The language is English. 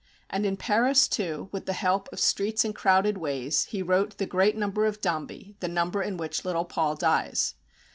And in Paris too, with the help of streets and crowded ways, he wrote the great number of Dombey, the number in which little Paul dies.